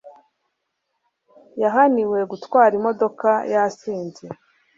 yahaniwe gutwara imodoka yasinze